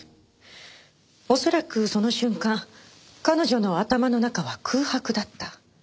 恐らくその瞬間彼女の頭の中は空白だった。